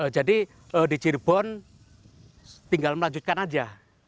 jadi di cirebon tinggal melanjutkan saja